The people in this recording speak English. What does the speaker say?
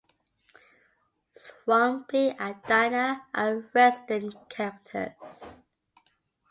Swampy and Dina are resident characters.